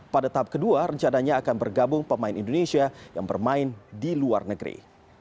pada tahap kedua rencananya akan bergabung pemain indonesia yang bermain di luar negeri